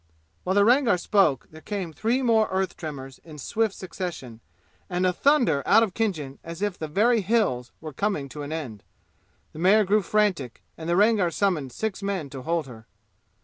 While the Rangar spoke there came three more earth tremors in swift succession, and a thunder out of Khinjan as if the very "Hills" were coming to an end. The mare grew frantic and the Rangar summoned six men to hold her.